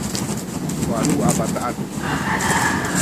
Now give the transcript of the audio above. walu a bataan